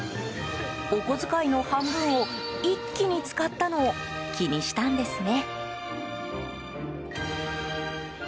お小遣いの半分を一気に使ったのを気にしたんですね。